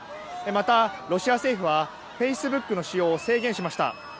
また、ロシア政府はフェイスブックの使用を制限しました。